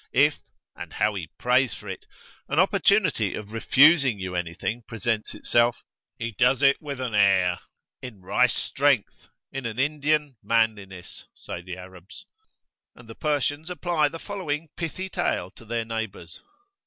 If and how he prays for it! an opportunity of refusing you anything presents itself, he does it with an "In rice strength, In an Indian manliness,[FN#13]" say the Arabs. And the Persians apply the following pithy tale to their neighbours.